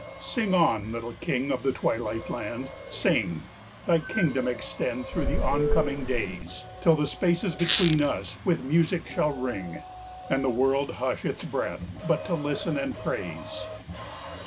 Sing on, little King of the twilight land, sing, Thy kingdom extend through the oncoming days, Till the spaces between us with music shall ring, And the world hush its breath but to listen and praise.